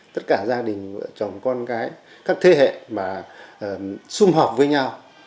tất cả gia đình chồng con gái các thế hệ mà xung họp với nhau